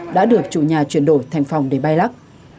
đã được chủ nhà chuyển đổi thành phòng để bay lắc